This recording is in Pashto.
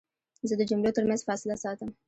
زه د جملو ترمنځ فاصله ساتم.